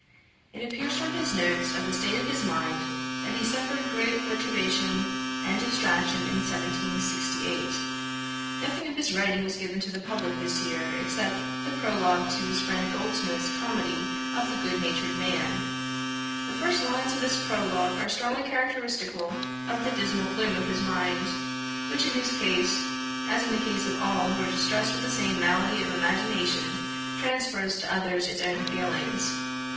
It appears from his notes of the state of his mind, that he suffered great perturbation and distraction in 1768. Nothing of his writing was given to the publick this year, except the Prologue[*] to his friend Goldsmith's comedy of The Good natured Man. The first lines of this Prologue are strongly characteristical of the dismal gloom of his mind; which in his case, as in the case of all who are distressed with the same malady of imagination, transfers to others its own feelings.